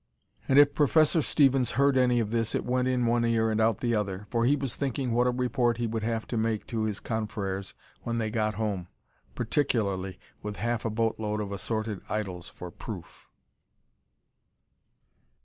And if Professor Stevens heard any of this, it went in one ear and out the other, for he was thinking what a report he would have to make to his confrères when they got home particularly with half a boatload of assorted idols for proof.